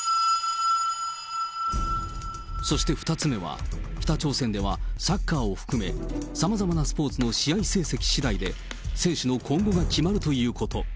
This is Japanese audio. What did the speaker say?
そして２つ目は、北朝鮮ではサッカーを含め、さまざまなスポーツの試合成績しだいで、選手の今後が決まるということ。